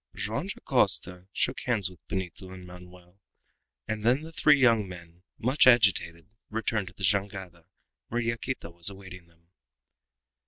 Joam Dacosta shook hands with Benito and Manoel, and then the three young men, much agitated, retired to the jangada, where Yaquita was awaiting them.